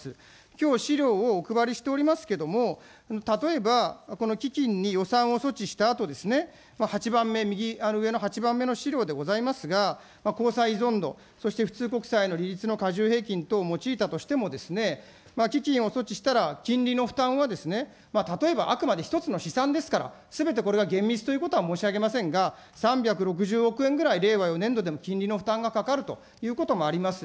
きょう、資料をお配りしておりますけれども、例えばこの基金に予算を措置したあとですね、８番目、右上の８番目の資料でございますが、公債依存度、そして普通国債の利率のかじゅう平均等を用いたとしても、基金を措置したら金利の負担は例えばあくまで一つの試算ですから、すべてこれが厳密ということは申し上げませんが、３６０億円ぐらい、令和４年度でも金利の負担がかかるということもあります。